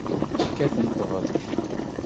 Llan kkaten ḍḍbel.